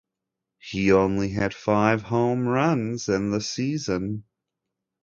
He only hit five home runs in the season.